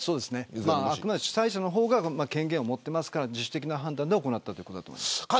主催者が権限を持ってますから自主的な判断で行ったということだと思います。